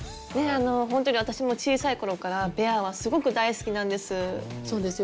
ほんとに私も小さい頃からベアはすごく大好きなんです。